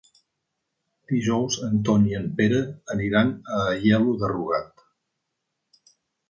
Dijous en Ton i en Pere aniran a Aielo de Rugat.